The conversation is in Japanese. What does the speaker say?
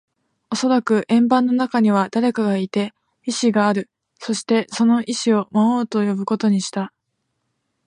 おそらく円盤の中には誰かがいて、意志がある。そして、その意思を魔王と呼ぶことにした。